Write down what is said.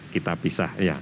kita pisah ya